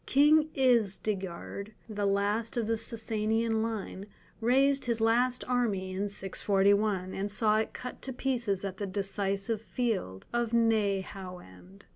King Isdigerd, the last of the Sassanian line, raised his last army in 641, and saw it cut to pieces at the decisive field of Nehauend.